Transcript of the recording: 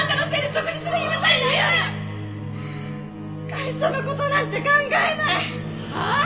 会社の事なんて考えない！はあ！？